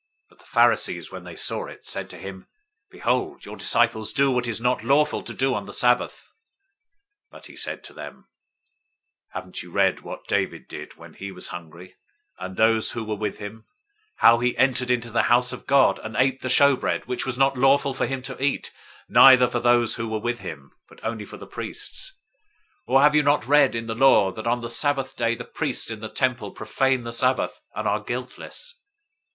012:002 But the Pharisees, when they saw it, said to him, "Behold, your disciples do what is not lawful to do on the Sabbath." 012:003 But he said to them, "Haven't you read what David did, when he was hungry, and those who were with him; 012:004 how he entered into the house of God, and ate the show bread, which was not lawful for him to eat, neither for those who were with him, but only for the priests?{1 Samuel 21:3 6} 012:005 Or have you not read in the law, that on the Sabbath day, the priests in the temple profane the Sabbath, and are guiltless?